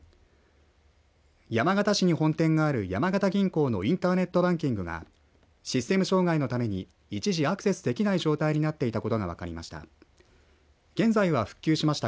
山形市に本店がある山形銀行のインターネットバンキングがシステム障害のために一時、アクセスできない状態になっていたことが分かりました。